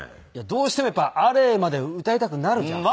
どうしてもやっぱり「あれ」まで歌いたくなるじゃん。